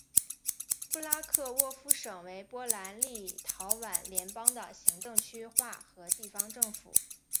布拉克沃夫省为波兰立陶宛联邦的行政区划和地方政府。